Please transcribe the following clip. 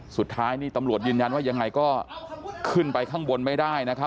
สุดท้ายนี่ตำรวจยืนยันว่ายังไงก็ขึ้นไปข้างบนไม่ได้นะครับ